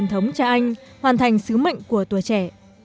hoàn thành sứ mệnh của tuổi trẻ